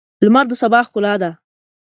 لمر د سبا ښکلا ده.